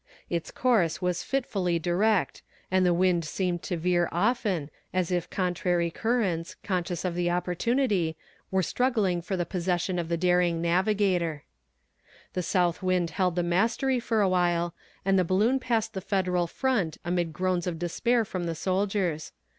Its course was fitfully direct, and the wind seemed to veer often, as if contrary currents, conscious of the opportunity, were struggling for the possession of the daring navigator. The south wind held the mastery for awhile, and the balloon passed the Federal front amid groans of despair from the soldiers.